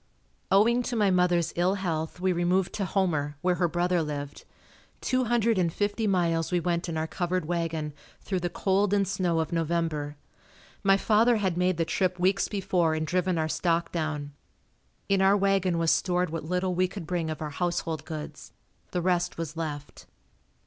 Owing to my mother's ill health we removed to Homer, where her brother lived. Two hundred and fifty miles we went in our covered wagon, through the cold and snow of November. My father had made the trip weeks before and driven our stock down. In our wagon was stored what little we could bring of our household goods, the rest was left.